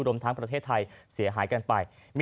รวมทั้งประเทศไทยเสียหายกันไป